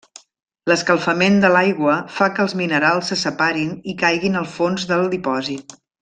L'escalfament de l'aigua fa que els minerals se separin i caiguin al fons del dipòsit.